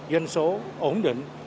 danh số ổn định